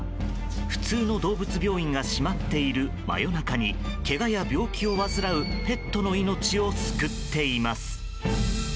普通の動物病院が閉まっている真夜中にけがや病気を患うペットの命を救っています。